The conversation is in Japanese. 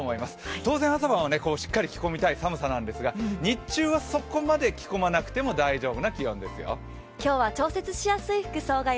当然、朝晩はしっかり着込みたい気温ですが日中はそこまで着込まなくても大丈夫な気温ですよ。